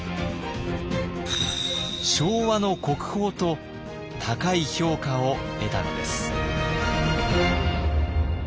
昭和の国宝と高い評価を得たのです。